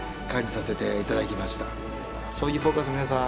「将棋フォーカス」の皆さん